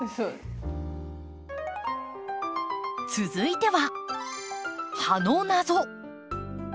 続いては葉の謎。